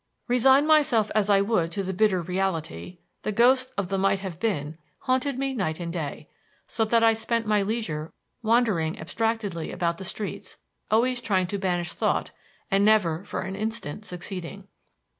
Resign myself as I would to the bitter reality, the ghost of the might have been haunted me night and day, so that I spent my leisure wandering abstractedly about the streets, always trying to banish thought and never for an instant succeeding.